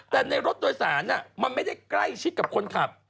แต่ในรถโดยสารมันไม่ได้ใกล้ชิดกับคนขับ